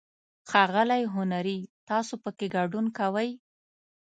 ښاغلی هنري، تاسو پکې ګډون کوئ؟